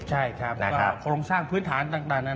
ใช่ครับก็ลงสร้างพื้นฐานต่างนานา